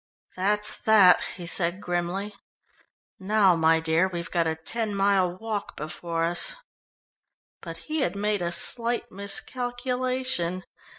"That's that," he said grimly. "Now my dear, we've got a ten mile walk before us." But he had made a slight miscalculation.